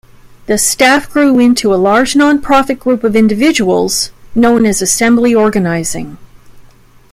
The staff grew into a large non-profit group of individuals known as Assembly Organizing.